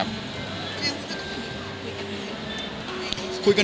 คุณสัมผัสดีครับ